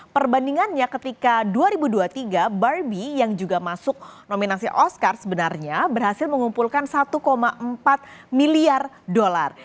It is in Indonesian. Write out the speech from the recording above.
perbandingannya ketika dua ribu dua puluh tiga barbie yang juga masuk nominasi oscar sebenarnya berhasil mengumpulkan satu empat miliar dolar